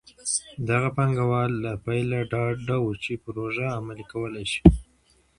دغه پانګوال له پیله ډاډه وو چې پروژې عملي کولی شي.